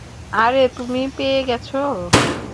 আরে, তুমি পেয়ে গেছো।